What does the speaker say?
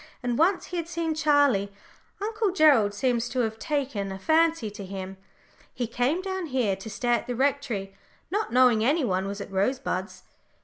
And once he had seen Charlie, Uncle Gerald seems to have taken a fancy to him. We came down here to stay at the Rectory, not knowing any one was at Rosebuds.